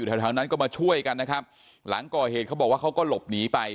แถวนั้นก็มาช่วยกันนะครับหลังก่อเหตุเขาบอกว่าเขาก็หลบหนีไป